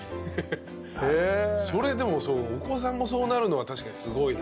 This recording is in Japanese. それでもお子さんもそうなるのは確かにすごいな。